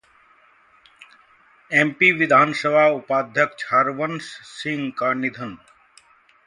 MP विधानसभा उपाध्यक्ष हरवंश सिंह का निधन